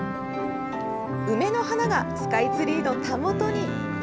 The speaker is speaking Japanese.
梅の花がスカイツリーのたもとに。